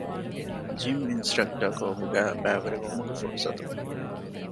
ޖިމް އިންސްޓްރަކްޓަރ ކޯހުގައި ބައިވެރިވުމުގެ ފުރުސަތު